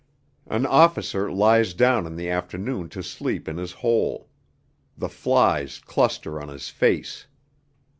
An officer lies down in the afternoon to sleep in his hole. The flies cluster on his face.